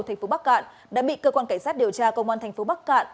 thành phố bắc cạn đã bị cơ quan cảnh sát điều tra công an thành phố bắc cạn